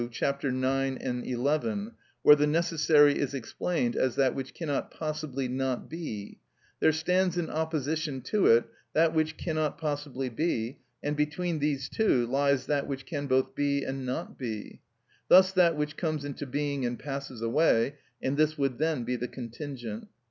c. 9 et 11, where the necessary is explained as that which cannot possibly not be: there stands in opposition to it that which cannot possibly be, and between these two lies that which can both be and not be,—thus that which comes into being and passes away, and this would then be the contingent.